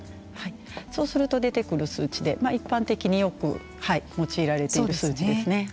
そうすると出てくる数値で一般的によく用いられている数値ですね。